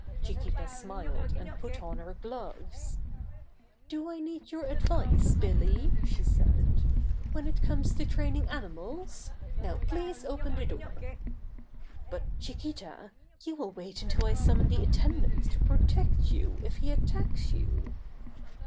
Chiquita smiled and put on her gloves. "Do I need your advice, Billy," she said, "when it comes to training animals? Now please open the door." "But, Chiquita, you will wait until I sum mon the attendants to protect you if he at tacks you."